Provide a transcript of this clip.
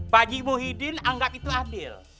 pak eji muhyiddin anggap itu adil